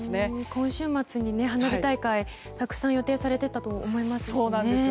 今週末に花火大会たくさん予定されていたと思いますしね。